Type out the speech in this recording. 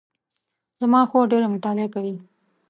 زما خور ډېره مطالعه کوي